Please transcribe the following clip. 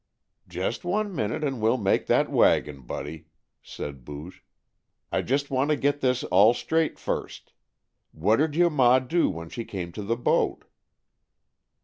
"Just one minute and we'll make that wagon, Buddy," said Booge. "I just want to get this all straight first. What did your ma do when she came to the boat?"